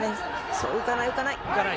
そう、浮かない、浮かない。